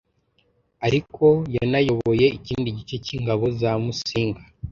ariko yanayoboye ikindi gice cy’ingabo za Musinga